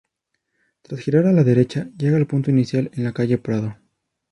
Tras girar a la derecha llega al punto inicial en la Calle Prado.